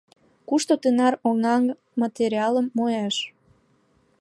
Кушто тынар оҥан материалым муэш?